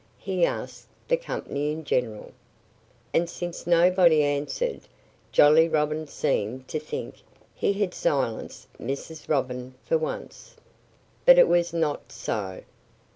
he asked the company in general. And since nobody answered, Jolly Robin seemed to think he had silenced Mrs. Robin for once. But it was not so.